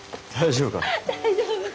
大丈夫か？